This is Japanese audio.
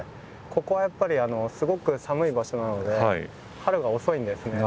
ここはやっぱりすごく寒い場所なので春が遅いんですね。